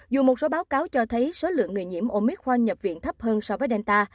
dùng một số báo cáo cho thấy số lượng người nhiễm omicron nhập viện thấp hơn so với delta